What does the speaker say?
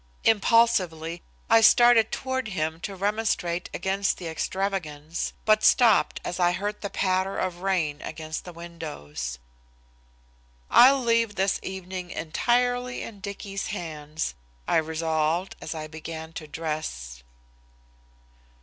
Impulsively, I started toward him to remonstrate against the extravagance, but stopped as I heard the patter of rain against the windows. "I'll leave this evening entirely in Dicky's hands," I resolved as I began to dress.